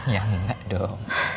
ya enggak dong